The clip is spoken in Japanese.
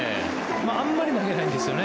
あまり投げないんですよね。